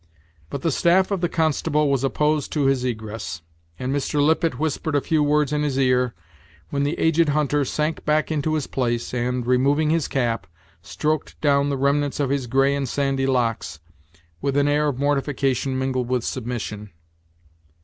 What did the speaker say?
But the staff of the constable was opposed to his egress, and Mr. Lippet whispered a few words in his ear, when the aged hunter sank back into his place, and, removing his cap, stroked down the remnants of his gray and sandy locks, with an air of mortification mingled with submission.